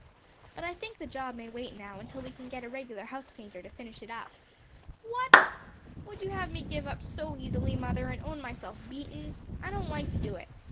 "But I think the job may wait now till we can get a regular house painter to finish it up." "What! would you have me give up so easily, mother, and own myself beaten? I don't like to do it.